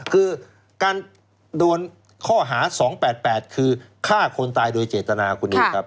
คือการโดนข้อหาสองแปดแปดคือฆ่าคนตายโดยเจตนาคุณนี้ครับ